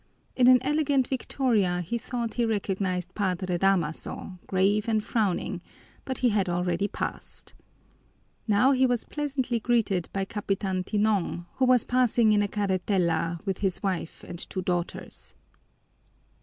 In an elegant victoria he thought he recognized Padre Damaso, grave and frowning, but he had already passed. Now he was pleasantly greeted by Capitan Tinong, who was passing in a carretela with his wife and two daughters.